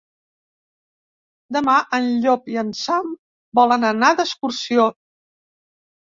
Demà en Llop i en Sam volen anar d'excursió.